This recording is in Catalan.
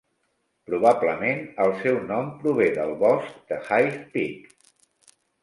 Probablement, el seu nom prové del bosc de High Peak.